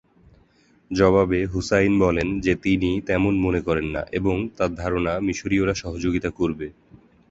জবাবে হুসাইন বলেন যে তিনি তেমন মনে করেন না এবং তার ধারণা মিশরীয়রা সহযোগিতা করবে।